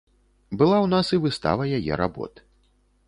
Была ў нас і выстава яе работ.